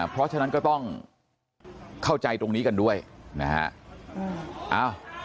เพราะฉะนั้นก็ต้องเข้าใจตรงนี้กันด้วยนะฮะ